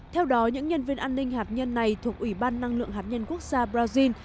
theo đó những nhân viên an ninh hạt nhân này thuộc ủy ban năng lượng hạt nhân quốc gia brazil